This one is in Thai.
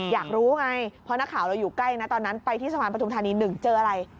อยากรู้ไงเพราะนักข่าวเราอยู่ใกล้นะตอนนั้นไปที่สะพานปฐุมธานี๑เจออะไร